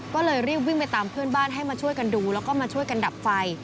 ก็เลยรีบวิ่งไปตามเพื่อนบ้านให้มาช่วยกันดูแล้วก็มาช่วยกันดับไฟ